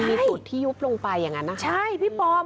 มีจุดที่ยุบลงไปอย่างนั้นนะคะใช่พี่ปอม